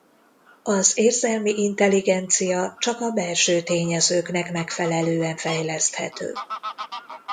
Az érzelmi intelligencia csak a belső tényezőknek megfelelően fejleszthető.